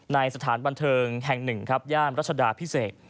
สถานบันเทิงแห่งหนึ่งครับย่านรัชดาพิเศษ